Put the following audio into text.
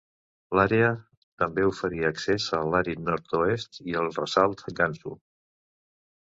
L'àrea també oferia accés a l'àrid nord-oest, i el ressalt Gansu.